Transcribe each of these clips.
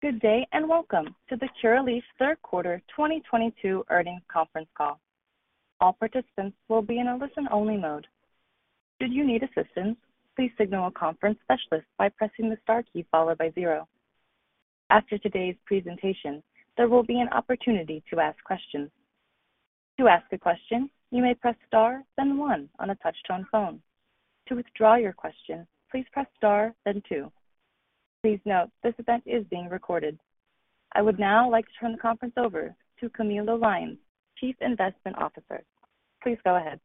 Good day, welcome to the Curaleaf third quarter 2022 earnings conference call. All participants will be in a listen-only mode. Should you need assistance, please signal a conference specialist by pressing the star key followed by zero. After today's presentation, there will be an opportunity to ask questions. To ask a question, you may press star, then one on a touch-tone phone. To withdraw your question, please press star, then two. Please note, this event is being recorded. I would now like to turn the conference over to Camilo Lyon, Chief Investment Officer. Please go ahead.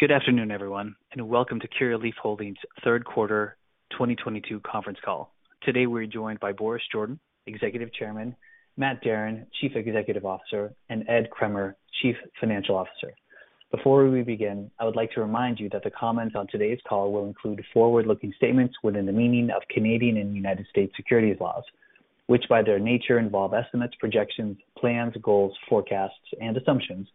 Good afternoon, everyone, welcome to Curaleaf Holdings third quarter 2022 conference call. Today, we're joined by Boris Jordan, Executive Chairman, Matt Darin, Chief Executive Officer, and Ed Kremer, Chief Financial Officer. Before we begin, I would like to remind you that the comments on today's call will include forward-looking statements within the meaning of Canadian and U.S. securities laws, which by their nature involve estimates, projections, plans, goals, forecasts, and assumptions,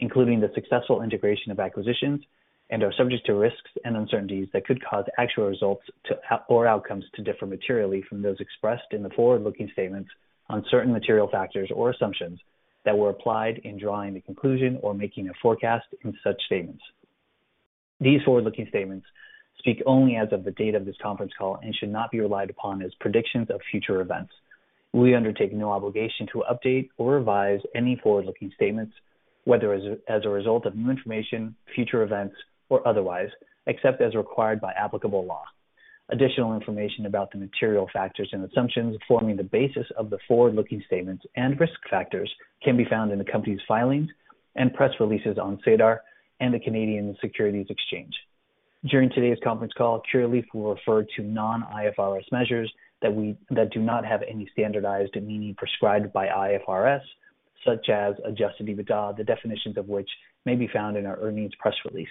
including the successful integration of acquisitions, and are subject to risks and uncertainties that could cause actual results or outcomes to differ materially from those expressed in the forward-looking statements on certain material factors or assumptions that were applied in drawing the conclusion or making a forecast in such statements. These forward-looking statements speak only as of the date of this conference call and should not be relied upon as predictions of future events. We undertake no obligation to update or revise any forward-looking statements, whether as a result of new information, future events, or otherwise, except as required by applicable law. Additional information about the material factors and assumptions forming the basis of the forward-looking statements and risk factors can be found in the company's filings and press releases on SEDAR and the Canadian Securities Exchange. During today's conference call, Curaleaf will refer to non-IFRS measures that do not have any standardized meaning prescribed by IFRS, such as adjusted EBITDA, the definitions of which may be found in our earnings press release.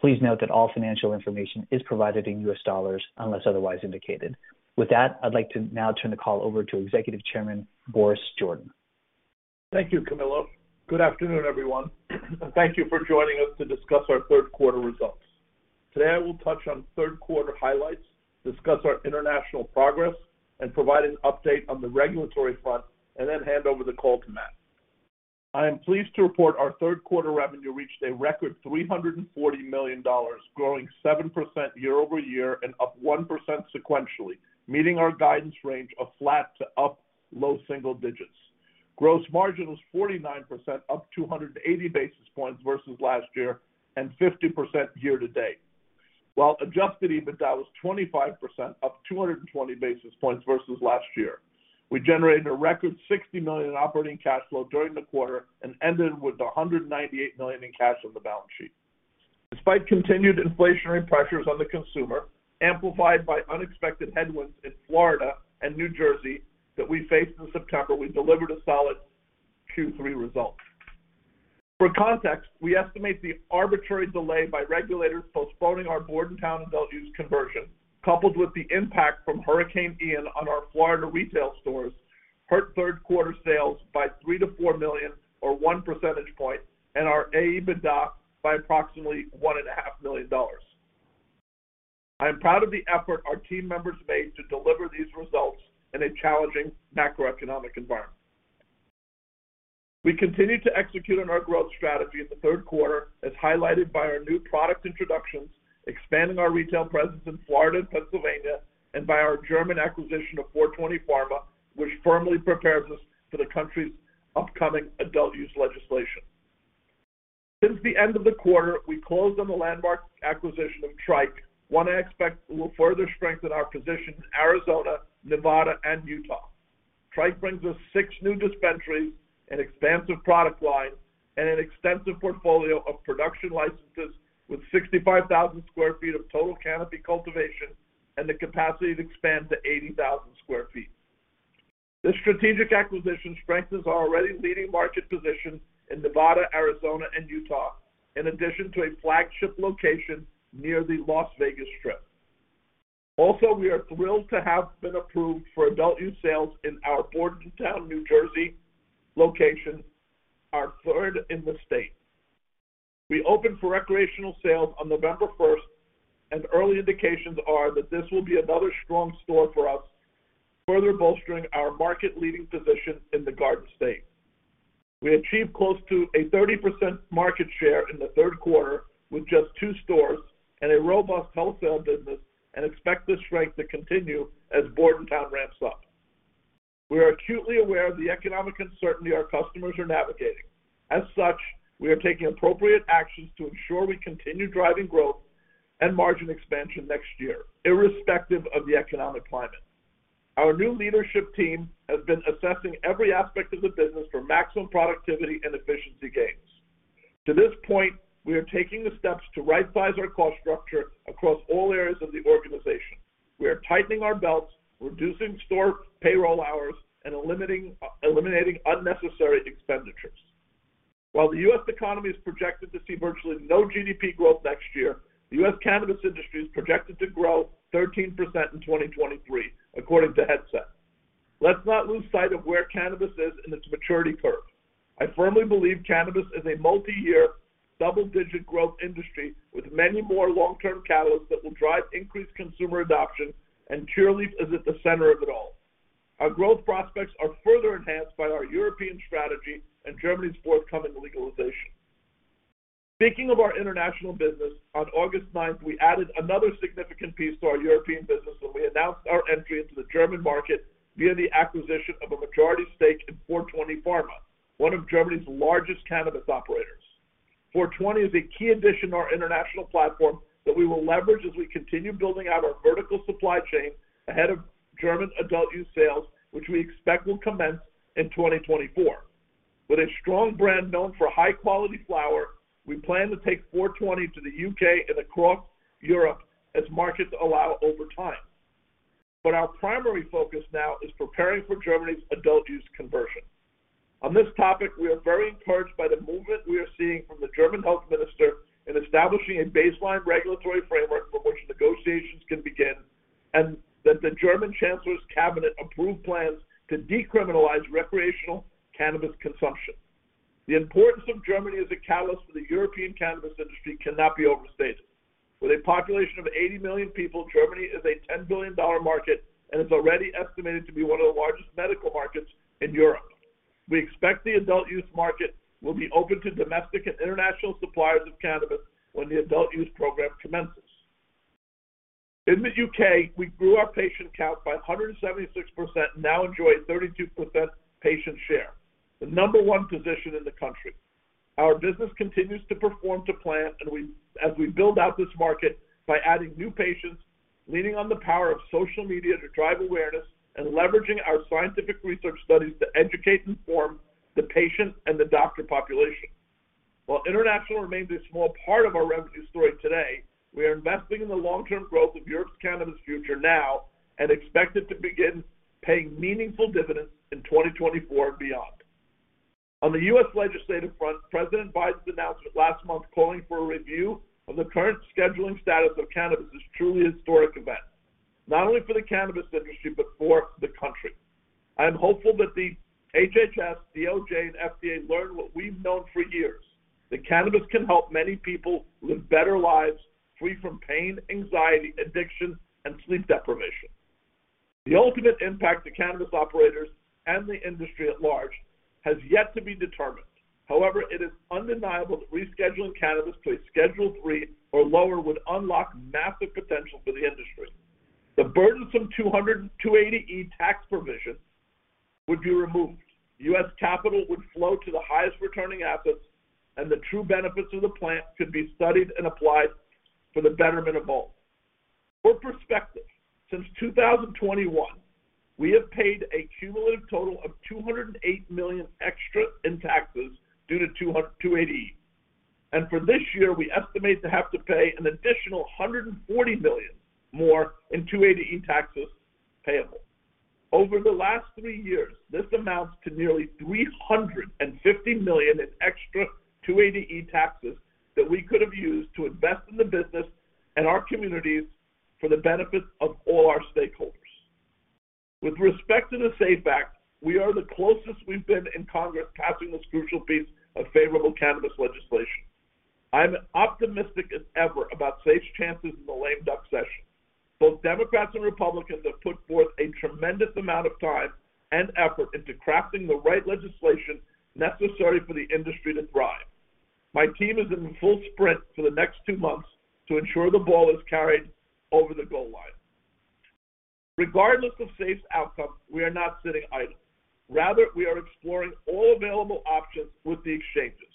Please note that all financial information is provided in U.S. dollars unless otherwise indicated. With that, I'd like to now turn the call over to Executive Chairman Boris Jordan. Thank you, Camilo. Good afternoon, everyone, thank you for joining us to discuss our third quarter results. Today, I will touch on third quarter highlights, discuss our international progress, provide an update on the regulatory front, then hand over the call to Matt. I am pleased to report our third quarter revenue reached a record $340 million, growing 7% year-over-year and up 1% sequentially, meeting our guidance range of flat to up low single digits. Gross margin was 49%, up 280 basis points versus last year, and 50% year to date. While adjusted EBITDA was 25%, up 220 basis points versus last year. We generated a record $60 million in operating cash flow during the quarter and ended with $198 million in cash on the balance sheet. Despite continued inflationary pressures on the consumer, amplified by unexpected headwinds in Florida and New Jersey that we faced in September, we delivered a solid Q3 result. For context, we estimate the arbitrary delay by regulators postponing our Bordentown adult use conversion, coupled with the impact from Hurricane Ian on our Florida retail stores, hurt third quarter sales by $3 million-$4 million or one percentage point, and our adj. EBITDA by approximately $1.5 million. I am proud of the effort our team members made to deliver these results in a challenging macroeconomic environment. We continued to execute on our growth strategy in the third quarter, as highlighted by our new product introductions, expanding our retail presence in Florida and Pennsylvania, and by our German acquisition of 420 Pharma, which firmly prepares us for the country's upcoming adult use legislation. Since the end of the quarter, we closed on the landmark acquisition of Tryke, one I expect will further strengthen our position in Arizona, Nevada, and Utah. Tryke brings us six new dispensaries, an expansive product line, and an extensive portfolio of production licenses with 65,000 sq ft of total canopy cultivation and the capacity to expand to 80,000 sq ft. This strategic acquisition strengthens our already leading market position in Nevada, Arizona, and Utah, in addition to a flagship location near the Las Vegas Strip. We are thrilled to have been approved for adult use sales in our Bordentown, New Jersey location, our third in the state. We opened for recreational sales on November first, and early indications are that this will be another strong store for us, further bolstering our market-leading position in the Garden State. We achieved close to a 30% market share in the third quarter with just two stores and a robust wholesale business and expect this strength to continue as Bordentown ramps up. We are acutely aware of the economic uncertainty our customers are navigating. We are taking appropriate actions to ensure we continue driving growth and margin expansion next year, irrespective of the economic climate. Our new leadership team has been assessing every aspect of the business for maximum productivity and efficiency gains. We are taking the steps to right-size our cost structure across all areas of the organization. We are tightening our belts, reducing store payroll hours, and eliminating unnecessary expenditures. While the U.S. economy is projected to see virtually no GDP growth next year, the U.S. cannabis industry is projected to grow 13% in 2023, according to Headset. Let's not lose sight of where cannabis is in its maturity curve. I firmly believe cannabis is a multi-year, double-digit growth industry with many more long-term catalysts that will drive increased consumer adoption, and Curaleaf is at the center of it all. Our growth prospects are further enhanced by our European strategy and Germany's forthcoming legalization. Speaking of our international business, on August 9th, we added another significant piece to our European business when we announced our entry into the German market via the acquisition of a majority stake in 420 Pharma, one of Germany's largest cannabis operators. 420 is a key addition to our international platform that we will leverage as we continue building out our vertical supply chain ahead of German adult use sales, which we expect will commence in 2024. With a strong brand known for high-quality flower, we plan to take 420 to the U.K. and across Europe as markets allow over time. Our primary focus now is preparing for Germany's adult use conversion. On this topic, we are very encouraged by the movement we are seeing from the German health minister in establishing a baseline regulatory framework from which negotiations can begin, and that the German Chancellor's Cabinet approved plans to decriminalize recreational cannabis consumption. The importance of Germany as a catalyst for the European cannabis industry cannot be overstated. With a population of 80 million people, Germany is a $10 billion market and is already estimated to be one of the largest medical markets in Europe. We expect the adult use market will be open to domestic and international suppliers of cannabis when the adult use program commences. In the U.K., we grew our patient count by 176% and now enjoy 32% patient share, the number 1 position in the country. Our business continues to perform to plan as we build out this market by adding new patients, leaning on the power of social media to drive awareness, and leveraging our scientific research studies to educate and inform the patient and the doctor population. While international remains a small part of our revenue story today, we are investing in the long-term growth of Europe's cannabis future now and expect it to begin paying meaningful dividends in 2024 and beyond. On the U.S. legislative front, President Biden's announcement last month calling for a review of the current scheduling status of cannabis is a truly historic event, not only for the cannabis industry, but for the country. I am hopeful that the HHS, DOJ, and FDA learn what we've known for years, that cannabis can help many people live better lives free from pain, anxiety, addiction, and sleep deprivation. The ultimate impact to cannabis operators and the industry at large has yet to be determined. However, it is undeniable that rescheduling cannabis to a Schedule III or lower would unlock massive potential for the industry. The burdensome 280E tax provision would be removed, U.S. capital would flow to the highest-returning assets, and the true benefits of the plant could be studied and applied for the betterment of all. For perspective, since 2021, we have paid a cumulative total of $208 million extra in taxes due to 280E. For this year, we estimate to have to pay an additional $140 million more in 280E taxes payable. Over the last three years, this amounts to nearly $350 million in extra 280E taxes that we could have used to invest in the business and our communities for the benefit of all our stakeholders. With respect to the SAFE Act, we are the closest we've been in Congress passing this crucial piece of favorable cannabis legislation. I'm optimistic as ever about SAFE's chances in the lame duck session. Both Democrats and Republicans have put forth a tremendous amount of time and effort into crafting the right legislation necessary for the industry to thrive. My team is in full sprint for the next two months to ensure the ball is carried over the goal line. Regardless of SAFE's outcome, we are not sitting idle. Rather, we are exploring all available options with the exchanges.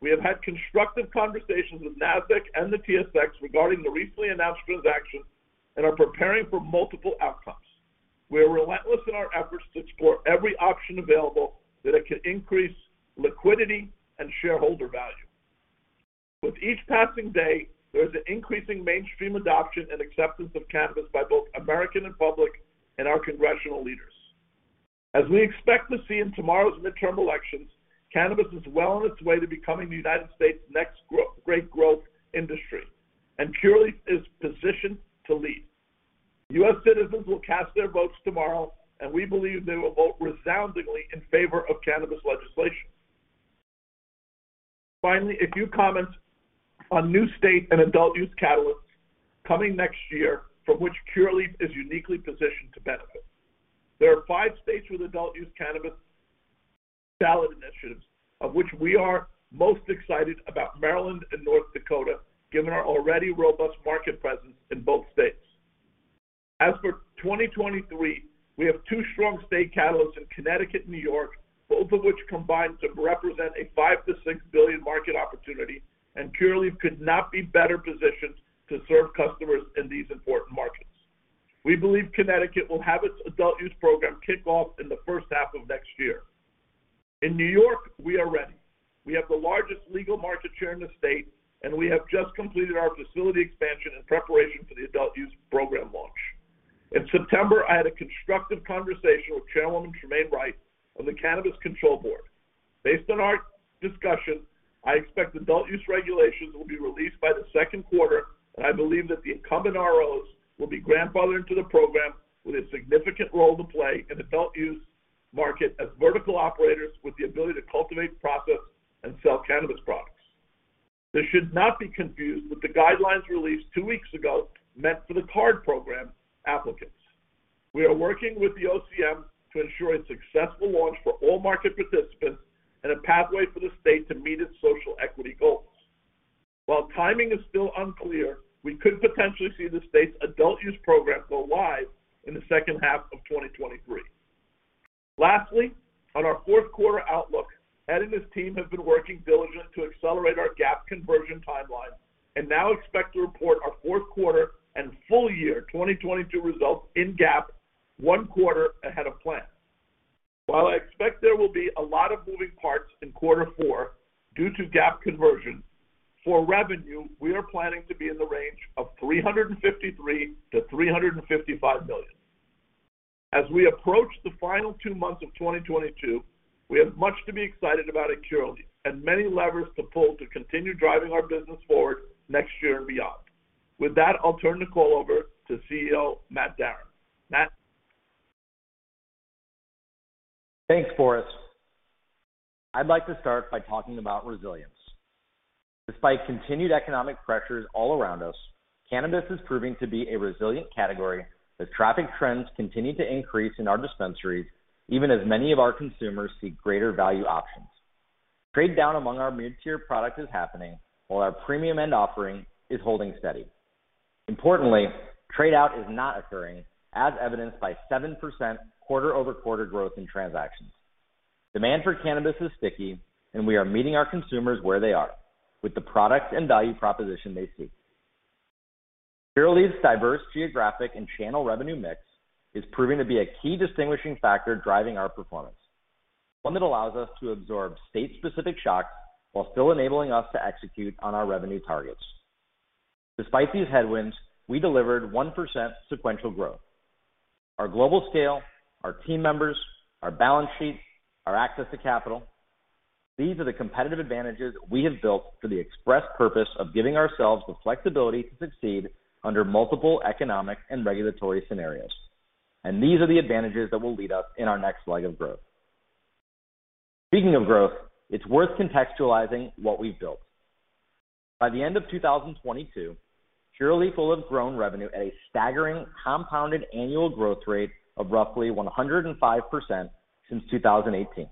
We have had constructive conversations with Nasdaq and the TSX regarding the recently announced transaction and are preparing for multiple outcomes. We are relentless in our efforts to explore every option available that can increase liquidity and shareholder value. With each passing day, there is an increasing mainstream adoption and acceptance of cannabis by both American public and our congressional leaders. As we expect to see in tomorrow's midterm elections, cannabis is well on its way to becoming the United States' next great growth industry, and Curaleaf is positioned to lead. U.S. citizens will cast their votes tomorrow, and we believe they will vote resoundingly in favor of cannabis legislation. A few comments on new state and adult use catalysts coming next year, from which Curaleaf is uniquely positioned to benefit. There are five states with adult use cannabis ballot initiatives, of which we are most excited about Maryland and North Dakota, given our already robust market presence in both states. As for 2023, we have two strong state catalysts in Connecticut and New York, both of which combine to represent a $5 billion-$6 billion market opportunity, and Curaleaf could not be better positioned to serve customers in these important markets. We believe Connecticut will have its adult use program kick off in the first half of next year. In New York, we are ready. We have the largest legal market share in the state, and we have just completed our facility expansion in preparation for the adult use program launch. In September, I had a constructive conversation with Chairwoman Tremaine Wright of the Cannabis Control Board. Based on our discussion, I expect adult use regulations will be released by the second quarter, and I believe that the incumbent ROs will be grandfathered into the program with a significant role to play in adult use market as vertical operators with the ability to cultivate, process, and sell cannabis products. This should not be confused with the guidelines released two weeks ago meant for the card program applicants. We are working with the OCM to ensure a successful launch for all market participants and a pathway for the state to meet its social equity goals. While timing is still unclear, we could potentially see the state's adult use program go live in the second half of 2023. On our fourth quarter outlook, Ed and his team have been working diligently to accelerate our GAAP conversion timeline and now expect to report our fourth quarter and full year 2022 results in GAAP one quarter ahead of plan. While I expect there will be a lot of moving parts in quarter four due to GAAP conversion, for revenue, we are planning to be in the range of $353 million-$355 million. As we approach the final two months of 2022, we have much to be excited about at Curaleaf, and many levers to pull to continue driving our business forward next year and beyond. With that, I'll turn the call over to CEO Matt Darin. Matt? Thanks, Boris. I'd like to start by talking about resilience. Despite continued economic pressures all around us, cannabis is proving to be a resilient category as traffic trends continue to increase in our dispensaries, even as many of our consumers seek greater value options. Trade down among our mid-tier product is happening, while our premium end offering is holding steady. Importantly, trade out is not occurring, as evidenced by 7% quarter-over-quarter growth in transactions. Demand for cannabis is sticky, and we are meeting our consumers where they are, with the product and value proposition they seek. Curaleaf's diverse geographic and channel revenue mix is proving to be a key distinguishing factor driving our performance, one that allows us to absorb state-specific shocks while still enabling us to execute on our revenue targets. Despite these headwinds, we delivered 1% sequential growth. Our global scale, our team members, our balance sheet, our access to capital, these are the competitive advantages we have built for the express purpose of giving ourselves the flexibility to succeed under multiple economic and regulatory scenarios. These are the advantages that will lead us in our next leg of growth. Speaking of growth, it's worth contextualizing what we've built. By the end of 2022, Curaleaf will have grown revenue at a staggering compounded annual growth rate of roughly 105% since 2018.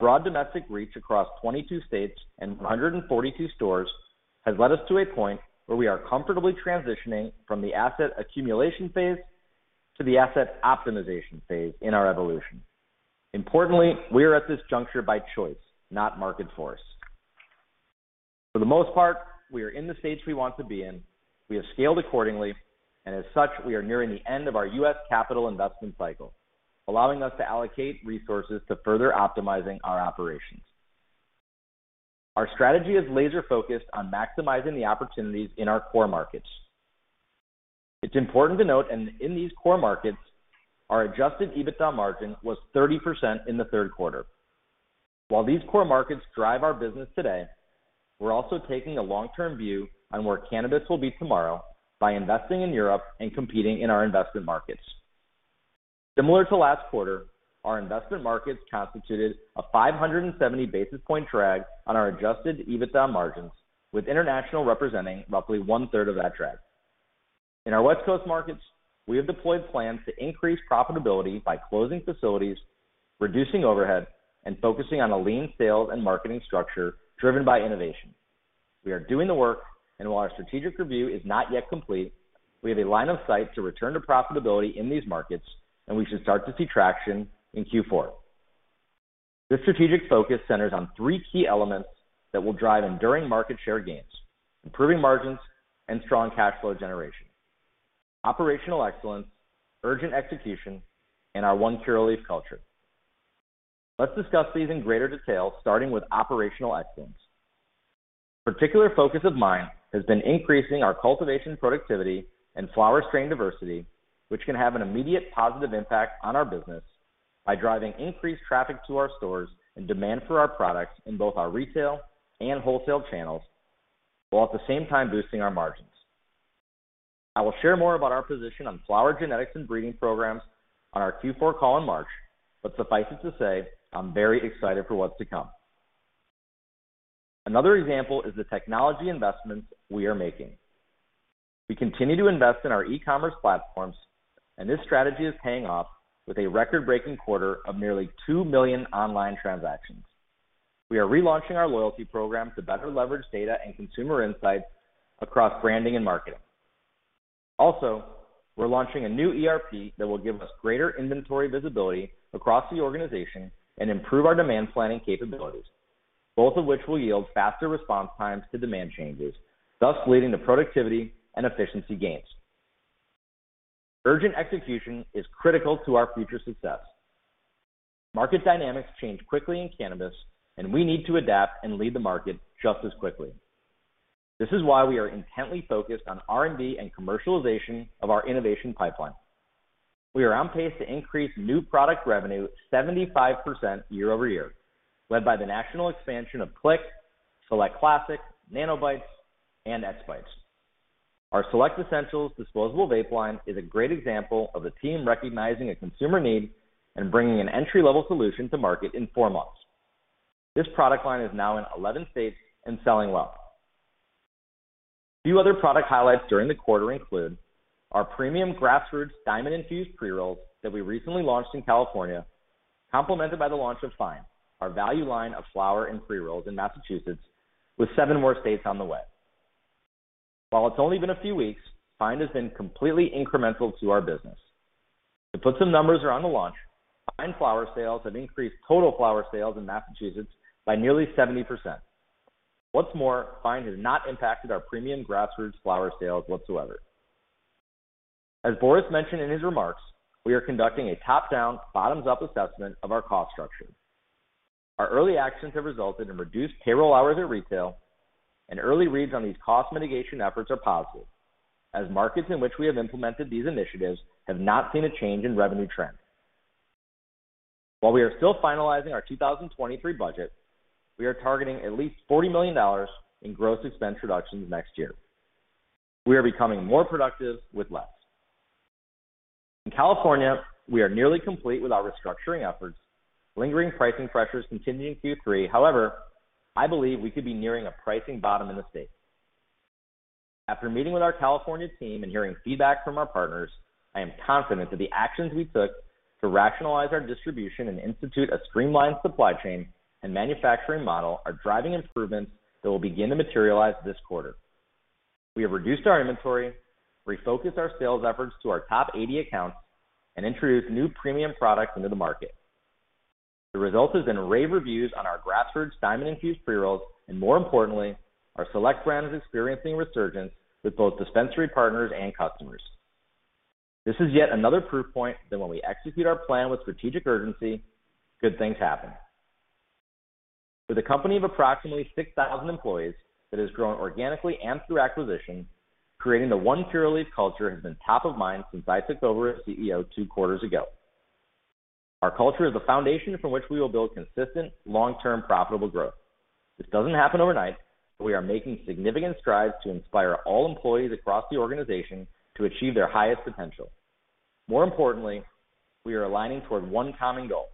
Broad domestic reach across 22 states and 142 stores has led us to a point where we are comfortably transitioning from the asset accumulation phase to the asset optimization phase in our evolution. Importantly, we are at this juncture by choice, not market force. For the most part, we are in the stage we want to be in, we have scaled accordingly, as such, we are nearing the end of our U.S. capital investment cycle, allowing us to allocate resources to further optimizing our operations. Our strategy is laser-focused on maximizing the opportunities in our core markets. It's important to note, in these core markets, our adjusted EBITDA margin was 30% in the third quarter. While these core markets drive our business today, we're also taking a long-term view on where cannabis will be tomorrow by investing in Europe and competing in our investment markets. Similar to last quarter, our investment markets constituted a 570-basis point drag on our adjusted EBITDA margins, with international representing roughly one-third of that drag. In our West Coast markets, we have deployed plans to increase profitability by closing facilities, reducing overhead, and focusing on a lean sales and marketing structure driven by innovation. We are doing the work, while our strategic review is not yet complete, we have a line of sight to return to profitability in these markets, we should start to see traction in Q4. This strategic focus centers on three key elements that will drive enduring market share gains, improving margins, and strong cash flow generation: operational excellence, urgent execution, and our One Curaleaf culture. Let's discuss these in greater detail, starting with operational excellence. Particular focus of mine has been increasing our cultivation productivity and flower strain diversity, which can have an immediate positive impact on our business by driving increased traffic to our stores and demand for our products in both our retail and wholesale channels, while at the same time boosting our margins. I will share more about our position on flower genetics and breeding programs on our Q4 call in March, but suffice it to say, I'm very excited for what's to come. Another example is the technology investments we are making. We continue to invest in our e-commerce platforms, and this strategy is paying off with a record-breaking quarter of nearly 2 million online transactions. We are relaunching our loyalty program to better leverage data and consumer insights across branding and marketing. Also, we're launching a new ERP that will give us greater inventory visibility across the organization and improve our demand planning capabilities, both of which will yield faster response times to demand changes, thus leading to productivity and efficiency gains. Urgent execution is critical to our future success. Market dynamics change quickly in cannabis, and we need to adapt and lead the market just as quickly. This is why we are intently focused on R&D and commercialization of our innovation pipeline. We are on pace to increase new product revenue 75% year-over-year, led by the national expansion of Cliq, Select Classic, Nano Bites, and X Bites. Our Select Essentials disposable vape line is a great example of the team recognizing a consumer need and bringing an entry-level solution to market in four months. This product line is now in 11 states and selling well. A few other product highlights during the quarter include our premium Grassroots diamond-infused pre-rolls that we recently launched in California, complemented by the launch of Find, our value line of flower and pre-rolls in Massachusetts, with seven more states on the way. While it's only been a few weeks, Find has been completely incremental to our business. To put some numbers around the launch, Find flower sales have increased total flower sales in Massachusetts by nearly 70%. What's more, Find has not impacted our premium Grassroots flower sales whatsoever. As Boris mentioned in his remarks, we are conducting a top-down, bottoms-up assessment of our cost structure. Our early actions have resulted in reduced payroll hours at retail, and early reads on these cost mitigation efforts are positive, as markets in which we have implemented these initiatives have not seen a change in revenue trends. While we are still finalizing our 2023 budget, we are targeting at least $40 million in gross expense reductions next year. We are becoming more productive with less. In California, we are nearly complete with our restructuring efforts, lingering pricing pressures continued in Q3. However, I believe we could be nearing a pricing bottom in the state. After meeting with our California team and hearing feedback from our partners, I am confident that the actions we took to rationalize our distribution and institute a streamlined supply chain and manufacturing model are driving improvements that will begin to materialize this quarter. We have reduced our inventory, refocused our sales efforts to our top 80 accounts, and introduced new premium products into the market. The result has been rave reviews on our Grassroots diamond-infused pre-rolls, and more importantly, our Select brand is experiencing resurgence with both dispensary partners and customers. This is yet another proof point that when we execute our plan with strategic urgency, good things happen. For the company of approximately 6,000 employees that has grown organically and through acquisition, creating the One Curaleaf culture has been top of mind since I took over as CEO two quarters ago. Our culture is a foundation from which we will build consistent, long-term, profitable growth. This doesn't happen overnight, but we are making significant strides to inspire all employees across the organization to achieve their highest potential. More importantly, we are aligning toward one common goal,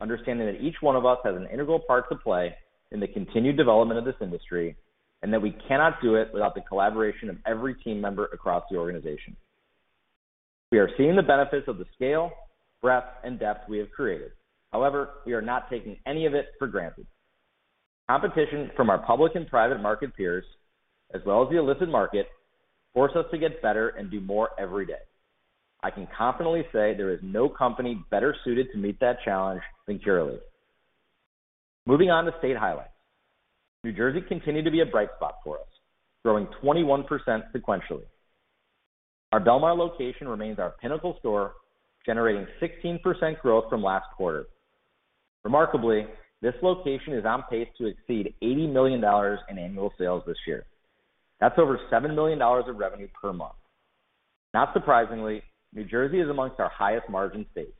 understanding that each one of us has an integral part to play in the continued development of this industry, and that we cannot do it without the collaboration of every team member across the organization. We are seeing the benefits of the scale, breadth, and depth we have created. We are not taking any of it for granted. Competition from our public and private market peers, as well as the illicit market, force us to get better and do more every day. I can confidently say there is no company better suited to meet that challenge than Curaleaf. Moving on to state highlights. New Jersey continued to be a bright spot for us, growing 21% sequentially. Our Belmar location remains our pinnacle store, generating 16% growth from last quarter. Remarkably, this location is on pace to exceed $80 million in annual sales this year. That's over $7 million of revenue per month. Not surprisingly, New Jersey is amongst our highest-margin states.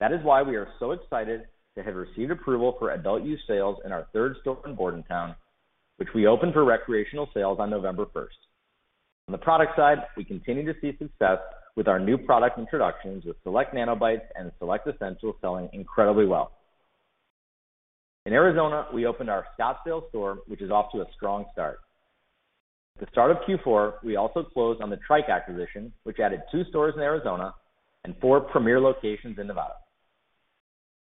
That is why we are so excited to have received approval for adult use sales in our third store in Bordentown, which we open for recreational sales on November 1st. On the product side, we continue to see success with our new product introductions with Select Nano Bites and Select Essentials selling incredibly well. In Arizona, we opened our Scottsdale store, which is off to a strong start. At the start of Q4, we also closed on the Tryke acquisition, which added two stores in Arizona and four premier locations in Nevada.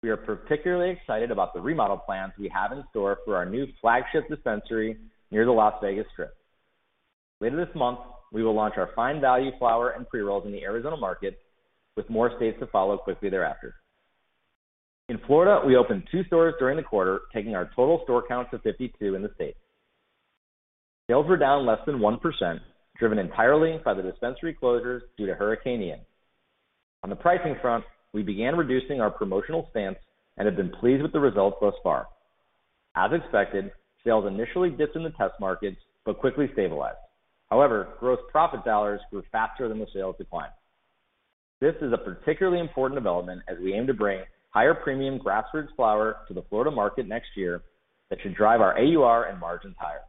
We are particularly excited about the remodel plans we have in store for our new flagship dispensary near the Las Vegas Strip. Later this month, we will launch our Find value flower and pre-rolls in the Arizona market, with more states to follow quickly thereafter. In Florida, we opened two stores during the quarter, taking our total store count to 52 in the state. Sales were down less than 1%, driven entirely by the dispensary closures due to Hurricane Ian. On the pricing front, we began reducing our promotional stance and have been pleased with the results thus far. As expected, sales initially dipped in the test markets, but quickly stabilized. Gross profit dollars grew faster than the sales decline. This is a particularly important development as we aim to bring higher premium Grassroots flower to the Florida market next year that should drive our AUR and margins higher.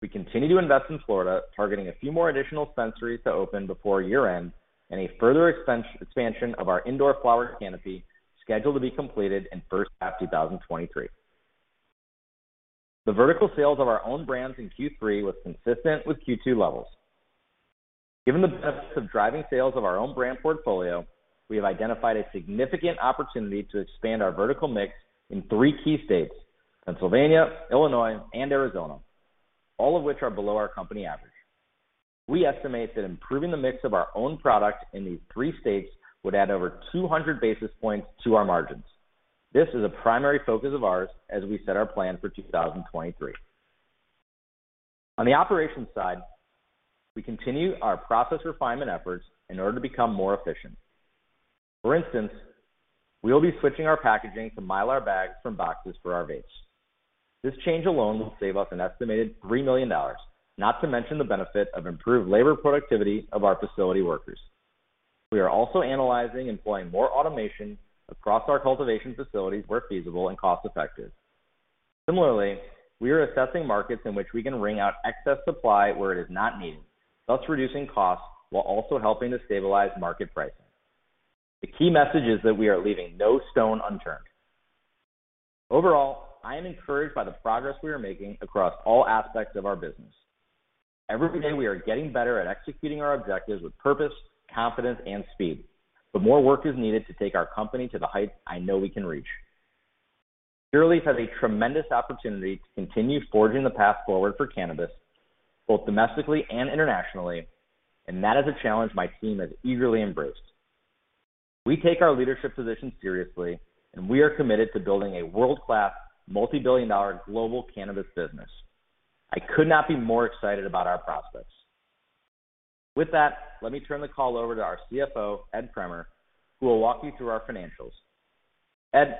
We continue to invest in Florida, targeting a few more additional dispensaries to open before year-end, and a further expansion of our indoor flower canopy scheduled to be completed in the first half of 2023. The vertical sales of our own brands in Q3 was consistent with Q2 levels. Given the benefits of driving sales of our own brand portfolio, we have identified a significant opportunity to expand our vertical mix in three key states, Pennsylvania, Illinois, and Arizona, all of which are below our company average. We estimate that improving the mix of our own product in these three states would add over 200 basis points to our margins. This is a primary focus of ours as we set our plan for 2023. On the operations side, we continue our process refinement efforts in order to become more efficient. For instance, we will be switching our packaging to Mylar bags from boxes for our vapes. This change alone will save us an estimated $3 million, not to mention the benefit of improved labor productivity of our facility workers. We are also analyzing employing more automation across our cultivation facilities where feasible and cost-effective. Similarly, we are assessing markets in which we can wring out excess supply where it is not needed, thus reducing costs while also helping to stabilize market pricing. The key message is that we are leaving no stone unturned. Overall, I am encouraged by the progress we are making across all aspects of our business. Every day, we are getting better at executing our objectives with purpose, confidence, and speed, but more work is needed to take our company to the heights I know we can reach. Curaleaf has a tremendous opportunity to continue forging the path forward for cannabis, both domestically and internationally, and that is a challenge my team has eagerly embraced. We take our leadership position seriously, and we are committed to building a world-class, multi-billion-dollar global cannabis business. I could not be more excited about our prospects. With that, let me turn the call over to our CFO, Ed Kremer, who will walk you through our financials. Ed?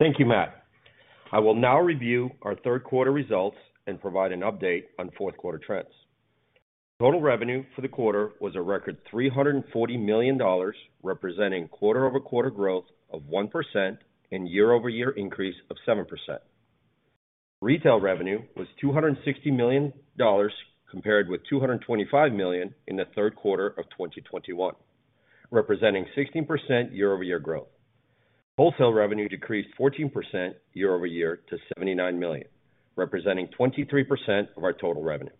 Thank you, Matt. I will now review our third quarter results and provide an update on fourth quarter trends. Total revenue for the quarter was a record $340 million, representing quarter-over-quarter growth of 1% and year-over-year increase of 7%. Retail revenue was $260 million, compared with $225 million in the third quarter of 2021, representing 16% year-over-year growth. Wholesale revenue decreased 14% year-over-year to $79 million, representing 23% of our total revenue.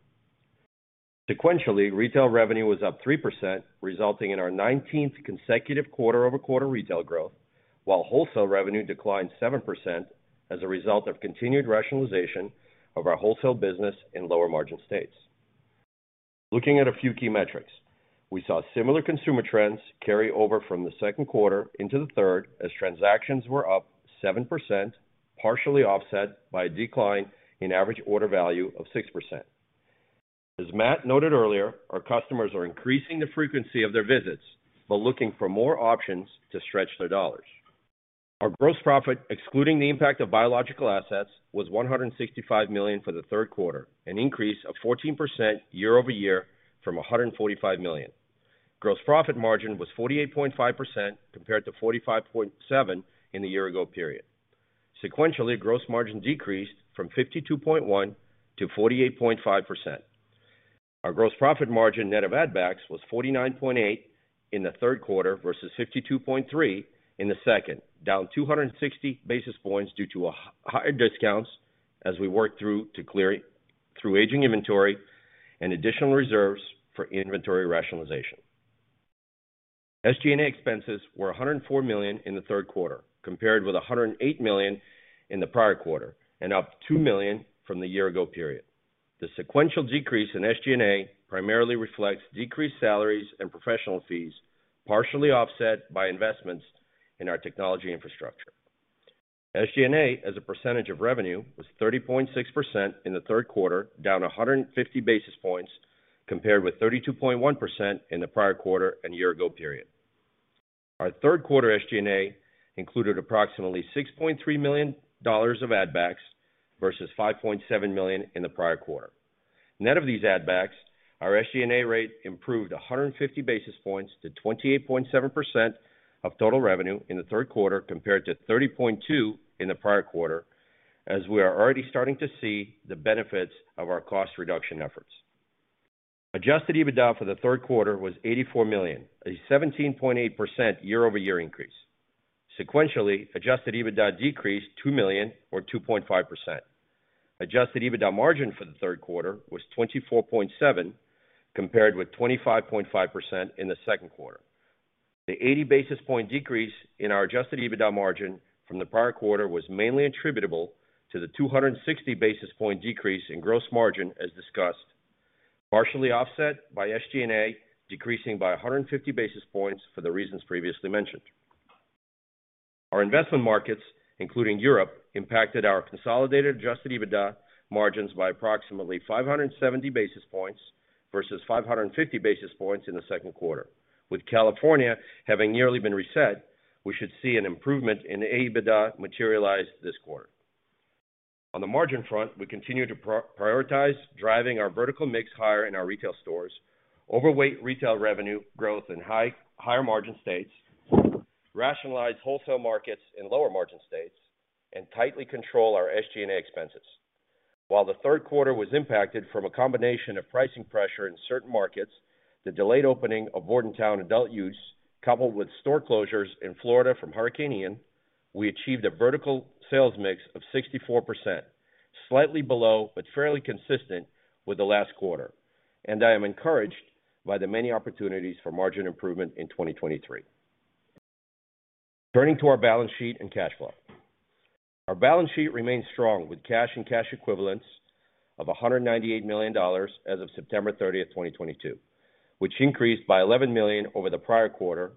Sequentially, retail revenue was up 3%, resulting in our 19th consecutive quarter-over-quarter retail growth, while wholesale revenue declined 7% as a result of continued rationalization of our wholesale business in lower margin states. Looking at a few key metrics, we saw similar consumer trends carry over from the second quarter into the third, as transactions were up 7%, partially offset by a decline in average order value of 6%. As Matt noted earlier, our customers are increasing the frequency of their visits while looking for more options to stretch their dollars. Our gross profit, excluding the impact of biological assets, was $165 million for the third quarter, an increase of 14% year-over-year from $145 million. Gross profit margin was 48.5% compared to 45.7% in the year ago period. Sequentially, gross margin decreased from 52.1% to 48.5%. Our gross profit margin net of add backs was 49.8% in the third quarter versus 52.3% in the second, down 260 basis points due to higher discounts as we worked through to clearing through aging inventory and additional reserves for inventory rationalization. SG&A expenses were $104 million in the third quarter, compared with $108 million in the prior quarter, and up $2 million from the year ago period. The sequential decrease in SG&A primarily reflects decreased salaries and professional fees, partially offset by investments in our technology infrastructure. SG&A as a percentage of revenue was 30.6% in the third quarter, down 150 basis points compared with 32.1% in the prior quarter and year ago period. Our third quarter SG&A included approximately $6.3 million of add backs versus $5.7 million in the prior quarter. Net of these add backs, our SG&A rate improved 150 basis points to 28.7% of total revenue in the third quarter compared to 30.2% in the prior quarter, as we are already starting to see the benefits of our cost reduction efforts. Adjusted EBITDA for the third quarter was $84 million, a 17.8% year-over-year increase. Sequentially, adjusted EBITDA decreased $2 million or 2.5%. Adjusted EBITDA margin for the third quarter was 24.7%, compared with 25.5% in the second quarter. The 80 basis point decrease in our adjusted EBITDA margin from the prior quarter was mainly attributable to the 260 basis point decrease in gross margin, as discussed, partially offset by SG&A decreasing by 150 basis points for the reasons previously mentioned. Our investment markets, including Europe, impacted our consolidated adjusted EBITDA margins by approximately 570 basis points versus 550 basis points in the second quarter. With California having nearly been reset, we should see an improvement in EBITDA materialize this quarter. On the margin front, we continue to prioritize driving our vertical mix higher in our retail stores, overweight retail revenue growth in higher margin states, rationalize wholesale markets in lower margin states, and tightly control our SG&A expenses. While the third quarter was impacted from a combination of pricing pressure in certain markets, the delayed opening of Bordentown Adult Use coupled with store closures in Florida from Hurricane Ian, we achieved a vertical sales mix of 64%, slightly below but fairly consistent with the last quarter. I am encouraged by the many opportunities for margin improvement in 2023. Turning to our balance sheet and cash flow. Our balance sheet remains strong with cash and cash equivalents of $198 million as of September 30th, 2022, which increased by $11 million over the prior quarter,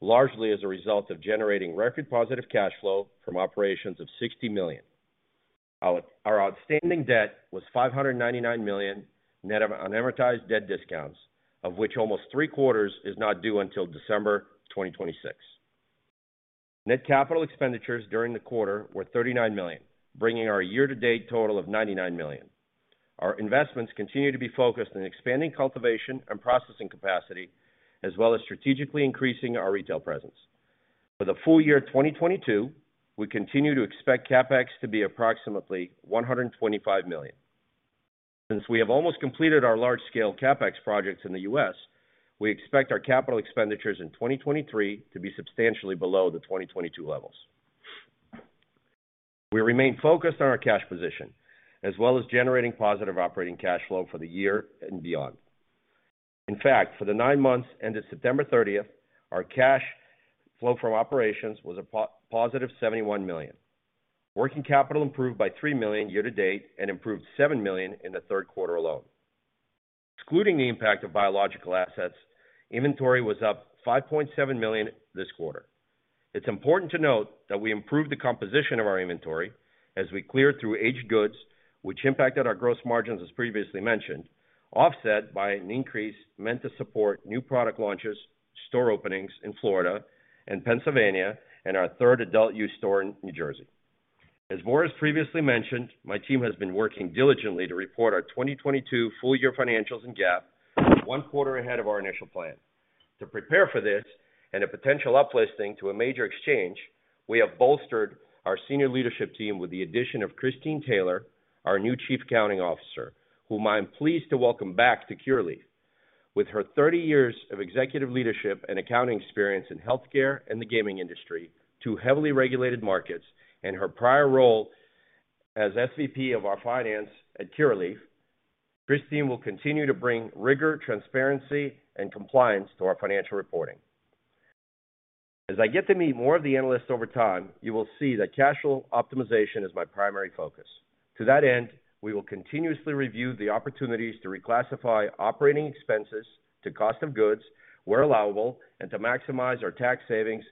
largely as a result of generating record positive cash flow from operations of $60 million. Our outstanding debt was $599 million net of unamortized debt discounts, of which almost three-quarters is not due until December 2026. Net capital expenditures during the quarter were $39 million, bringing our year-to-date total of $99 million. Our investments continue to be focused on expanding cultivation and processing capacity, as well as strategically increasing our retail presence. For the full year 2022, we continue to expect CapEx to be approximately $125 million. Since we have almost completed our large-scale CapEx projects in the U.S., we expect our capital expenditures in 2023 to be substantially below the 2022 levels. We remain focused on our cash position, as well as generating positive operating cash flow for the year and beyond. In fact, for the nine months ended September 30th, our cash flow from operations was a positive $71 million. Working capital improved by $3 million year-to-date and improved $7 million in the third quarter alone. Excluding the impact of biological assets, inventory was up $5.7 million this quarter. It's important to note that we improved the composition of our inventory as we cleared through aged goods, which impacted our gross margins as previously mentioned, offset by an increase meant to support new product launches, store openings in Florida and Pennsylvania, and our third adult use store in New Jersey. As Boris previously mentioned, my team has been working diligently to report our 2022 full year financials in GAAP, one quarter ahead of our initial plan. To prepare for this and a potential uplisting to a major exchange, we have bolstered our senior leadership team with the addition of Christine Taylor, our new Chief Accounting Officer, whom I am pleased to welcome back to Curaleaf. With her 30 years of executive leadership and accounting experience in healthcare and the gaming industry, two heavily regulated markets, and her prior role as SVP of our finance at Curaleaf, Christine will continue to bring rigor, transparency, and compliance to our financial reporting. As I get to meet more of the analysts over time, you will see that cash flow optimization is my primary focus. To that end, we will continuously review the opportunities to reclassify operating expenses to cost of goods where allowable, and to maximize our tax savings,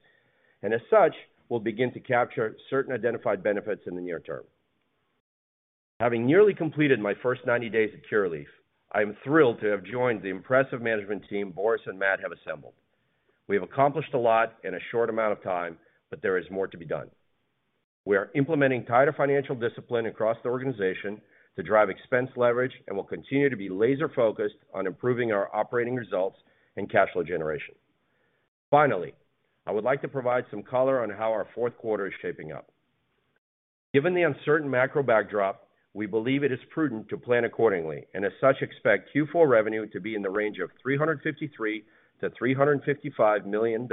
and as such, will begin to capture certain identified benefits in the near term. Having nearly completed my first 90 days at Curaleaf, I am thrilled to have joined the impressive management team Boris and Matt have assembled. We have accomplished a lot in a short amount of time, but there is more to be done. We are implementing tighter financial discipline across the organization to drive expense leverage and will continue to be laser-focused on improving our operating results and cash flow generation. Finally, I would like to provide some color on how our fourth quarter is shaping up. Given the uncertain macro backdrop, we believe it is prudent to plan accordingly, and as such, expect Q4 revenue to be in the range of $353 million-$355 million,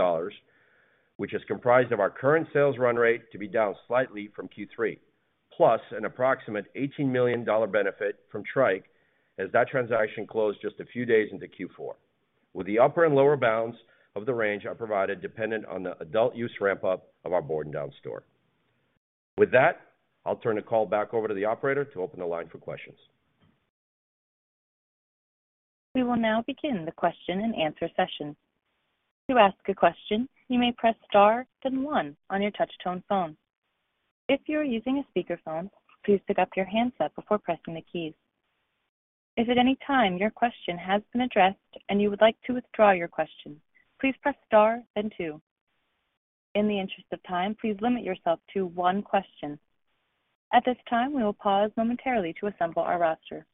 which is comprised of our current sales run rate to be down slightly from Q3, plus an approximate $18 million benefit from Tryke as that transaction closed just a few days into Q4. With the upper and lower bounds of the range I provided dependent on the adult use ramp-up of our Bordentown store. With that, I'll turn the call back over to the operator to open the line for questions. We will now begin the question and answer session. To ask a question, you may press star then one on your touchtone phone. If you are using a speakerphone, please pick up your handset before pressing the keys. If at any time your question has been addressed and you would like to withdraw your question, please press star then two. In the interest of time, please limit yourself to one question. At this time, we will pause momentarily to assemble our roster.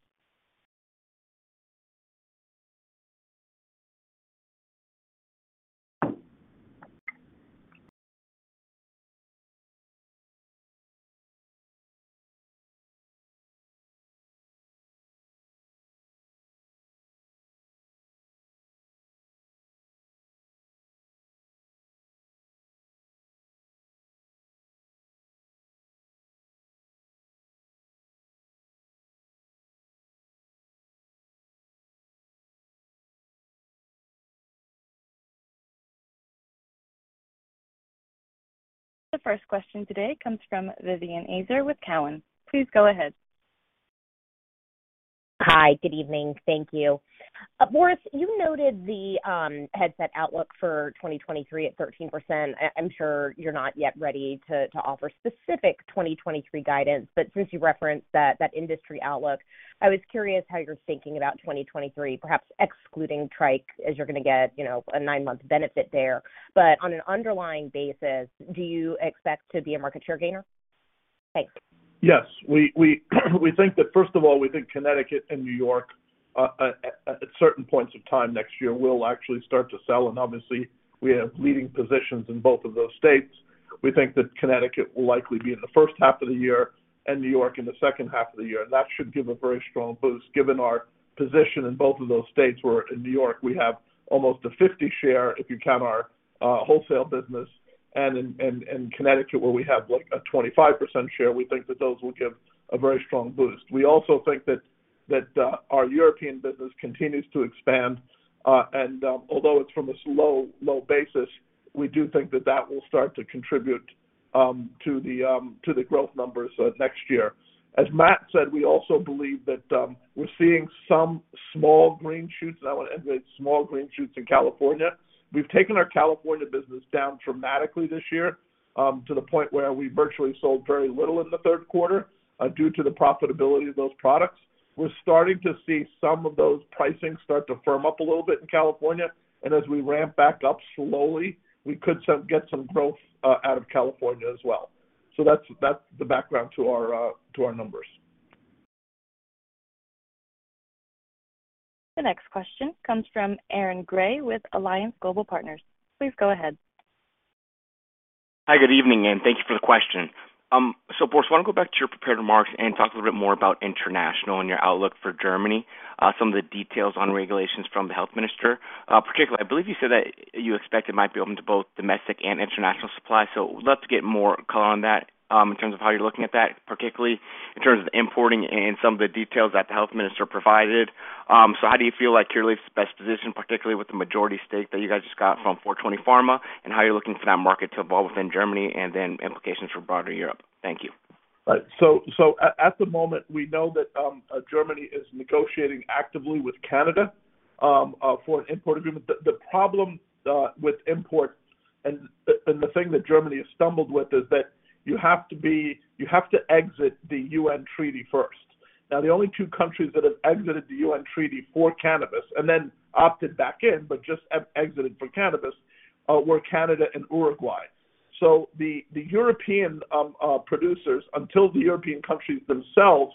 The first question today comes from Vivian Azer with Cowen. Please go ahead. Hi. Good evening. Thank you. Boris, you noted the Headset outlook for 2023 at 13%. I'm sure you're not yet ready to offer specific 2023 guidance, since you referenced that industry outlook, I was curious how you're thinking about 2023, perhaps excluding Tryke, as you're going to get a nine-month benefit there. On an underlying basis, do you expect to be a market share gainer? Thanks. Yes. First of all, we think Connecticut and New York at certain points of time next year will actually start to sell, and obviously we have leading positions in both of those states. We think that Connecticut will likely be in the first half of the year and New York in the second half of the year, and that should give a very strong boost given our position in both of those states, where in New York we have almost a 50 share, if you count our wholesale business, and in Connecticut where we have a 25% share, we think that those will give a very strong boost. We also think that our European business continues to expand And although it's from this low basis, we do think that that will start to contribute to the growth numbers next year. As Matt said, we also believe that we're seeing some small green shoots, and I want to emphasize small green shoots in California. We've taken our California business down dramatically this year, to the point where we virtually sold very little in the third quarter due to the profitability of those products. We're starting to see some of those pricing start to firm up a little bit in California, and as we ramp back up slowly, we could get some growth out of California as well. That's the background to our numbers. The next question comes from Aaron Grey with Alliance Global Partners. Please go ahead. Hi, good evening, and thank you for the question. Boris, I want to go back to your prepared remarks and talk a little bit more about international and your outlook for Germany. Some of the details on regulations from the health minister. Particularly, I believe you said that you expect it might be open to both domestic and international supply. Would love to get more color on that in terms of how you're looking at that, particularly in terms of importing and some of the details that the health minister provided. How do you feel like Curaleaf is best positioned, particularly with the majority stake that you guys just got from 420 Pharma, and how you're looking for that market to evolve within Germany and then implications for broader Europe? Thank you. At the moment, we know that Germany is negotiating actively with Canada for an import agreement. The problem with imports and the thing that Germany has stumbled with is that you have to exit the UN treaty first. The only two countries that have exited the UN treaty for cannabis and then opted back in, but just exited for cannabis, were Canada and Uruguay. The European producers, until the European countries themselves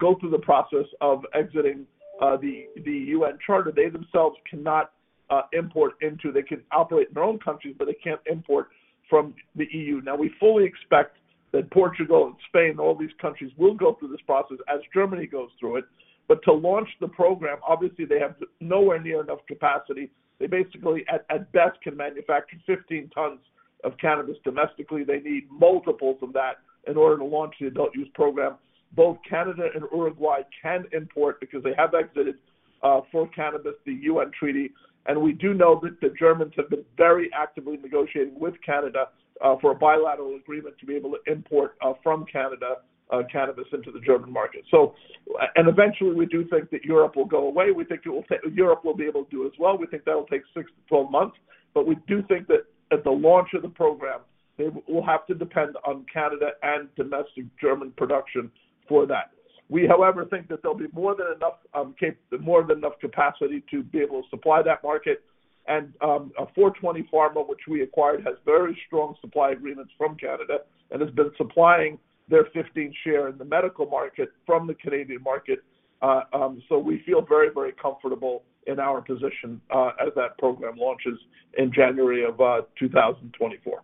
go through the process of exiting the UN charter, they themselves cannot import into. They can operate in their own countries, but they can't import from the EU. We fully expect that Portugal and Spain, all these countries, will go through this process as Germany goes through it. To launch the program, obviously, they have nowhere near enough capacity. They basically, at best, can manufacture 15 tons of cannabis domestically. They need multiples of that in order to launch the adult use program. Both Canada and Uruguay can import because they have exited for cannabis, the UN treaty. We do know that the Germans have been very actively negotiating with Canada for a bilateral agreement to be able to import from Canada, cannabis into the German market. Eventually, we do think that Europe will go away. We think Europe will be able to do it as well. We think that'll take 6 to 12 months. We do think that at the launch of the program, they will have to depend on Canada and domestic German production for that. We, however, think that there'll be more than enough capacity to be able to supply that market. 420 Pharma, which we acquired, has very strong supply agreements from Canada and has been supplying their 15% share in the medical market from the Canadian market. We feel very comfortable in our position as that program launches in January 2024.